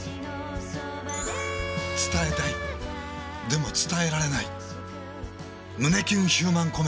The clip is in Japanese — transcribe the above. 伝えたいでも伝えられない胸キュンヒューマンコメディ。